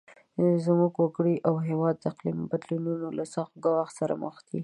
زموږ وګړي او هیواد د اقلیمي بدلون له سخت ګواښ سره مخ دي.